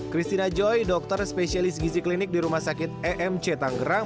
christina joy dokter spesialis gizi klinik di rumah sakit emc tanggerang